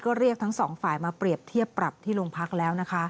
ก็เรียกทั้งสองฝ่ายมาเปรียบเทียบปรับที่โรงพักแล้วนะคะ